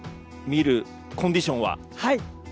見るコンディションは？